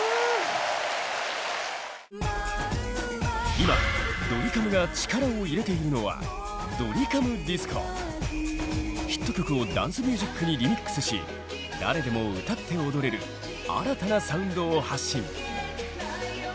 今ドリカムが力を入れているのはヒット曲をダンスミュージックにリミックスし誰でも歌って踊れる新たなサウンドを発信。